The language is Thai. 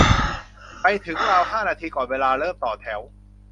ไปถึงราวห้านาทีก่อนเวลา เริ่มต่อแถว